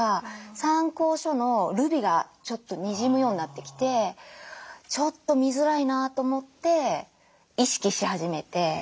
参考書のルビがちょっとにじむようになってきてちょっと見づらいなと思って意識し始めて。